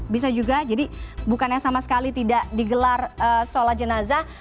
bisa juga jadi bukannya sama sekali tidak digelar sholat jenazah